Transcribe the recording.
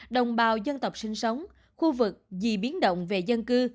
đồng bào dân tộc sinh sống khu vực vì biến động về dân cư